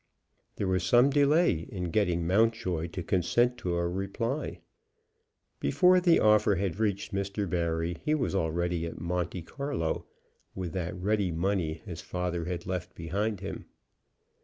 There was some delay in getting Mountjoy to consent to a reply. Before the offer had reached Mr. Barry he was already at Monte Carlo, with that ready money his father had left behind him.